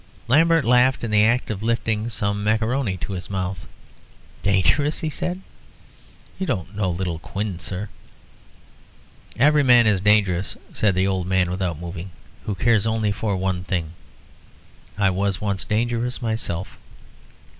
Lambert laughed in the act of lifting some maccaroni to his mouth. "Dangerous!" he said. "You don't know little Quin, sir!" "Every man is dangerous," said the old man without moving, "who cares only for one thing. I was once dangerous myself."